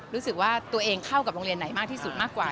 รู้สึกว่าตัวเองเข้ากับโรงเรียนไหนมากที่สุดมากกว่า